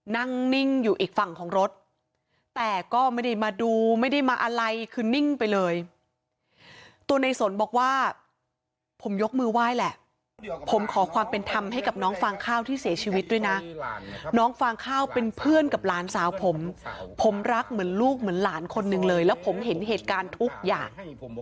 นิ่งอยู่อีกฝั่งของรถแต่ก็ไม่ได้มาดูไม่ได้มาอะไรคือนิ่งไปเลยตัวในสนบอกว่าผมยกมือไหว้แหละผมขอความเป็นธรรมให้กับน้องฟางข้าวที่เสียชีวิตด้วยนะน้องฟางข้าวเป็นเพื่อนกับหลานสาวผมผมรักเหมือนลูกเหมือนหลานคนหนึ่งเลยแล้วผมเห็นเหตุการณ์ทุกอย่าง